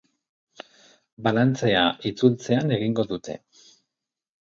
Balantzea itzultzean egingo dute.